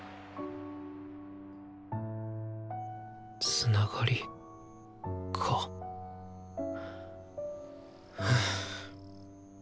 つながりかふう。